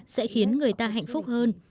sẽ khiến người ta hạnh phúc hơn